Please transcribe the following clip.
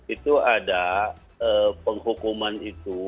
itu ada penghukuman itu